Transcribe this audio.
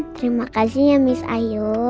terima kasih ya miss ayu